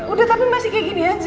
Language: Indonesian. udah tapi masih kayak gini aja